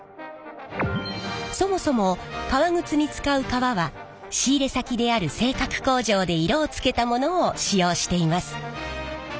そもそも革靴に使う革は仕入れ先である製革工場で色をつけたものを使用しています。